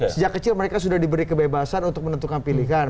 sejak kecil mereka sudah diberi kebebasan untuk menentukan pilihan